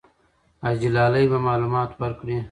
حاجي لالی به معلومات ورکړي.